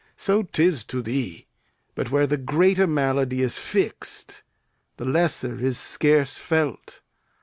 So 'tis to thee; But where the greater malady is fix'd, The lesser is scarce felt.